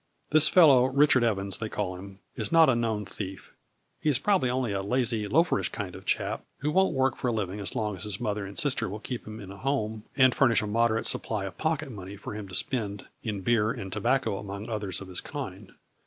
This fellow, Richard Evans they call him, is not a known thief. He is probably only a lazy, loaferish kind of a chap who won't work for a living as long as his mother and sister will keep him in a home, and furnish a moder ate supply of pocket money for him to spend in beer and tobacco among others of his kind.